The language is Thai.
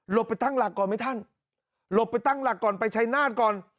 ไปตั้งหลักก่อนไหมท่านหลบไปตั้งหลักก่อนไปชัยนาฏก่อน